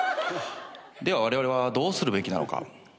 ではわれわれはどうするべきなのか。